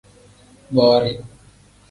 Borii.